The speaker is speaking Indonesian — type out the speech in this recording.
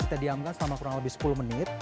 kita diamkan selama kurang lebih sepuluh menit